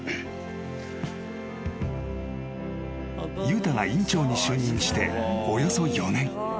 ［悠太が院長に就任しておよそ４年］